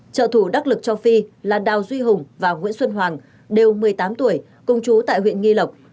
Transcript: trợ thủ đắc lực châu phi là đào duy hùng và nguyễn xuân hoàng đều một mươi tám tuổi công chú tại huyện nghi lộc